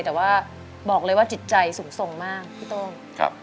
แต่ว่าบอกเลยว่าจิตใจสูงทรงมากพี่โต้ง